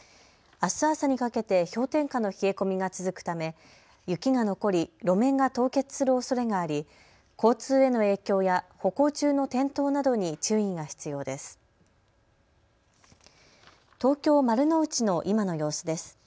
あす朝にかけて氷点下の冷え込みが続くため雪が残り路面が凍結するおそれがあり交通への影響や歩行中の転倒などに注意が必要です。